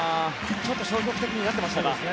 ちょっと消極的になってましたね。